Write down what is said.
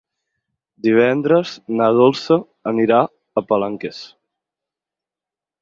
Divendres na Dolça anirà a Palanques.